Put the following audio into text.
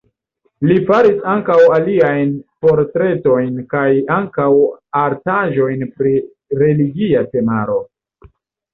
Li faris ankaŭ aliajn portretojn kaj ankaŭ artaĵojn pri religia temaro.